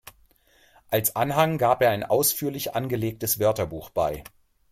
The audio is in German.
Als Anhang gab er ein ausführlich angelegtes Wörterbuch bei.